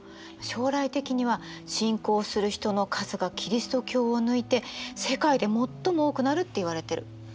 将来的には信仰する人の数がキリスト教を抜いて世界で最も多くなるっていわれてる。